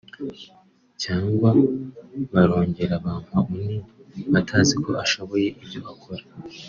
(cyangwa) barongera bampa undi bataziko ashoboye ibyo akora